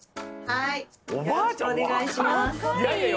はい。